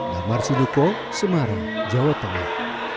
narmarsiluko semarang jawa tengah